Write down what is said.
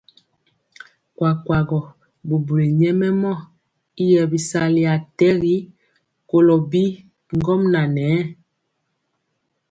Kuakuagɔ bubuli nyɛmemɔ yi yɛɛ bɛsali atɛgi kora bi ŋgomnaŋ nɛ.